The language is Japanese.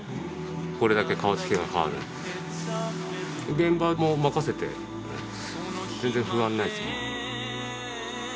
現場も任せて全然不安ないですよ。